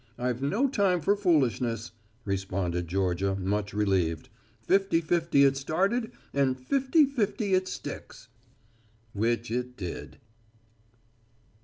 I've no time for foolishness," responded Georgia, much relieved. "Fifty fifty it started and fifty fifty it sticks." Which it did.